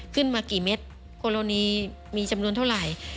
ขึ้นมากี่เม็ดกรณีมีจำนวนเท่าไหร่